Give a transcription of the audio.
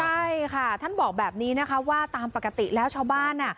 ใช่ค่ะท่านบอกแบบนี้นะคะว่าตามปกติแล้วชาวบ้าน